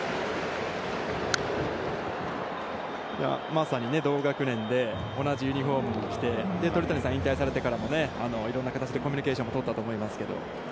まさに同学年で同じユニホームを着て鳥谷さん、引退されてからもコミュニケーションも取ったと思いますけど。